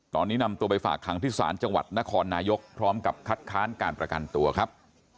ตอนนี้นำตัวไปฝากขังที่ศาลจังหวัดนครนายกพร้อมกับคัดค้านการประกันตัวครับ